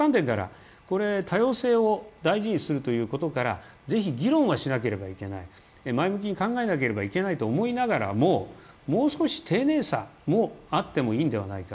多様性を大事にするということからぜひ議論はしなければいけない、前向きに考えなければならないと思いながらももう少し丁寧さもあってもいいんではないか。